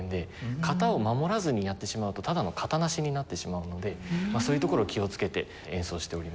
形を守らずにやってしまうとただの形無しになってしまうのでそういうところを気をつけて演奏しております。